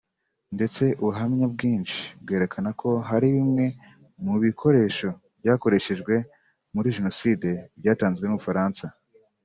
ndetse ubuhamya bwinshi bwerekana ko hari bimwe mu bikoresho byakoreshejwe muri Jenoside byatanzwe n’u Bufaransa